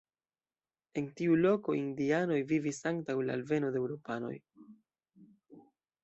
En tiu loko indianoj vivis antaŭ la alveno de eŭropanoj.